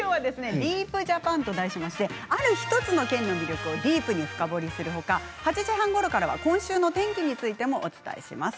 「ＤＥＥＰジャパン」と題して、ある１つの県の魅力をディープに深掘りするほか８時半ごろからは今週の天気についてもお伝えします。